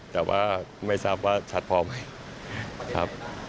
แต่ว่าไม่ทราบว่าชัดพอไหมครับ